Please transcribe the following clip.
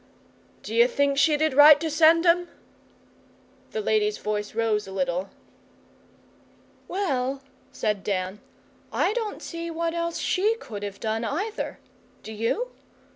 'D'you think she did right to send 'em?' The lady's voice rose a little. 'Well,' said Dan, 'I don't see what else she could have done, either do you?